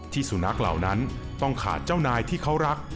สุนัขเหล่านั้นต้องขาดเจ้านายที่เขารัก